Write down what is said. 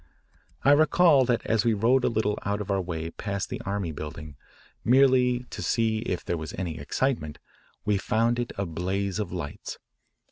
I recall that as we rode a little out of our way past the Army Building, merely to see if there was any excitement, we found it a blaze of lights.